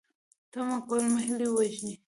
تمه کول مو هیلې وژني